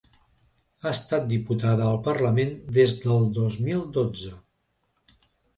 Ha estat diputada al parlament des del dos mil dotze.